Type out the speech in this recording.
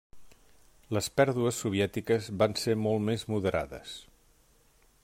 Les pèrdues soviètiques van ser molt més moderades.